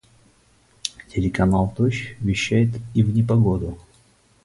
Телеканал "Дождь" вещает и в непогоду.